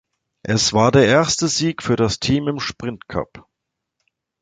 Es war der erste Sieg für das Team im Sprint Cup.